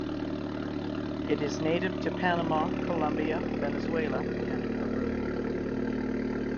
It is native to Panama, Colombia, Venezuela, and Peru.